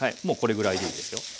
もうこれぐらいでいいですよ。